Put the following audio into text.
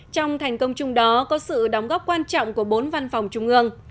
trong thành công chung đó có sự đóng góp quan trọng của bốn văn phòng trung ương